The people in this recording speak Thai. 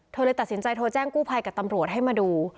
เลยตัดสินใจโทรแจ้งกู้ภัยกับตำรวจให้มาดู